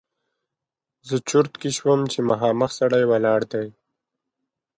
زه چرت کې شوم چې مخامخ خو سړی ولاړ دی!